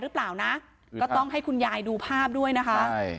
หรือเปล่านะก็ต้องให้คุณยายดูภาพด้วยนะคะใช่